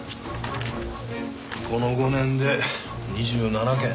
この５年で２７件。